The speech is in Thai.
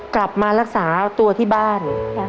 กลับมารักษาตัวที่บ้าน